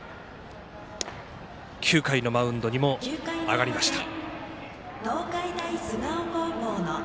９回のマウンドにも上がりました。